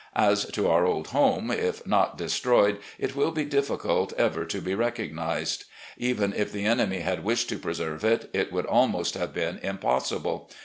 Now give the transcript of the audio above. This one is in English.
.., As to our old home, if not destroyed, it will be difficult ever to be recognised. Even if the enemy had wished to preserve it, it would almost have been impossible.